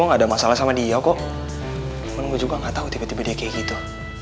gak ada masalah sama dia kok menunggu juga nggak tahu tiba tiba dia kayak gitu